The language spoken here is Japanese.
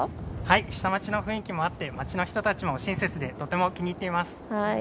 下町の雰囲気もあって街の人たちも親切でとても気にいっています。